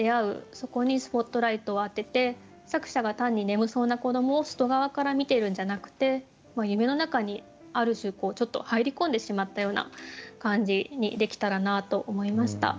そこにスポットライトを当てて作者が単に眠そうな子どもを外側から見てるんじゃなくて夢のなかにある種ちょっと入り込んでしまったような感じにできたらなと思いました。